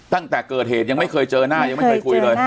ตั้งแต่เกิดเหตุยังไม่เคยเจอหน้ายังไม่เคยคุยเลย